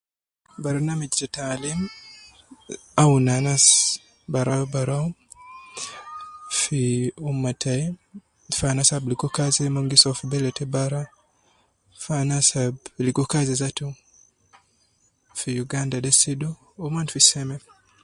Barnamij te taalim awun anas barau barau, fi, umma tai ,fi anas ab ligo kazi mon gi soo fi bele te bara, fi anas ab ligo kazi zatu, fi uganda de sidu, wu mon fi seme